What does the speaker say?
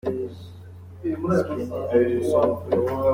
Aha, Umugaba mukuru w’ingabo z’u Rwanda Gen.